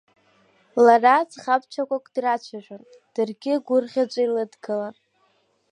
Лара ӡӷабцәақәак драцәажәон, даргьы гәырӷьаҵәа илыдгылан.